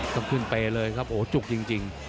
ต้องขึ้นเปย์เลยครับโอ้จุกจริง